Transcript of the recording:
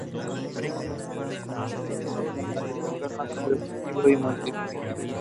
Galdós es considerado como el escritor más representativo del movimiento.